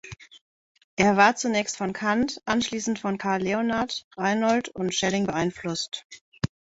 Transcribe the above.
Er war zunächst von Kant, anschließend von Carl Leonhard Reinhold und Schelling beeinflusst.